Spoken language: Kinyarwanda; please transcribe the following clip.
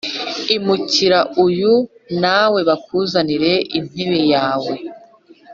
Imukira uyu nawe bakuzanire intebe yawe